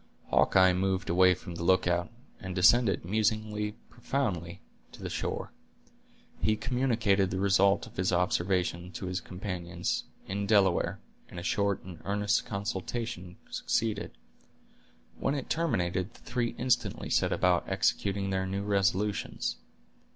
Hawkeye moved away from the lookout, and descended, musing profoundly, to the shore. He communicated the result of his observations to his companions, in Delaware, and a short and earnest consultation succeeded. When it terminated, the three instantly set about executing their new resolutions.